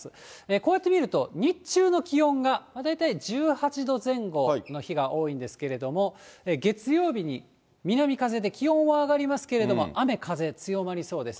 こうやって見ると、日中の気温が大体１８度前後の日が多いんですけれども、月曜日に南風で気温は上がりますけれども、雨、風、強まりそうです。